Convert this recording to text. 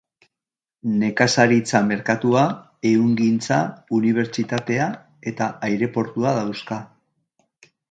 Nekazaritza-merkatua, ehungintza, unibertsitatea eta aireportua dauzka.